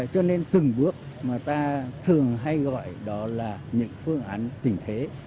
cho nên từng bước mà ta thường hay gọi đó là những phương án tình thế